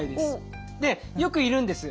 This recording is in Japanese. でよくいるんです。